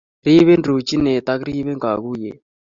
Riibin ruchiinet, ak riibin kaguiyet